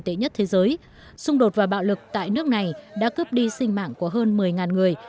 tệ nhất thế giới xung đột và bạo lực tại nước này đã cướp đi sinh mạng của hơn một mươi người